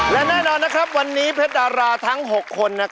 และแน่นอนนะครับวันนี้เพชรดาราทั้ง๖คนนะครับ